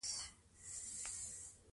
انګریزي پوځونه پر دښته پراته وو.